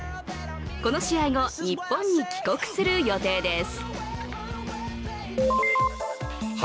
この試合後、日本に帰国する予定です。